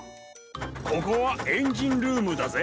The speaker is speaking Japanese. ここはエンジンルームだぜ。